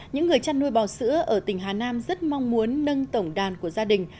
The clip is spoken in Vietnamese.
những người chăn nuôi bò sữa ở tỉnh hà nam rất mong muốn nâng tổng đàn của gia đình